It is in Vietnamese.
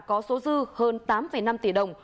có số dư hơn tám năm tỷ đồng